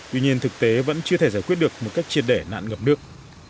tuy nhiên thực tế vẫn chưa thể giải quyết được một cách triệt đẻ nạn ngập nước